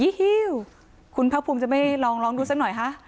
ยีฮิวคุณพระภูมิจะไม่ลองลองดูซักหน่อยครับ